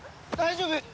大丈夫？